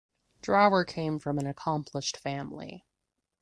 Drower came from an accomplished family.